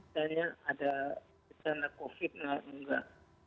tanya ada karena covid atau enggak